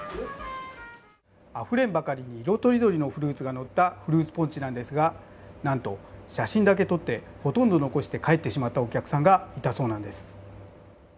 あふれんばかりに色とりどりのフルーツが載ったフルーツポンチなんですが、なんと写真だけ撮ってほとんど残して帰ってしまったお客さんがいたそうなんです。